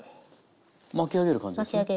巻き上げる感じですね。